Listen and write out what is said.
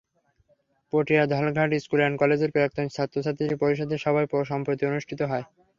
পটিয়ার Dhalghat school and কলেজের প্রাক্তন ছাত্রছাত্রী পরিষদের সভায় সম্প্রতি অনুষ্ঠিত হয়।